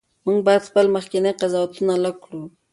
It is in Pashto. موږ باید خپل مخکني قضاوتونه لږ کړو.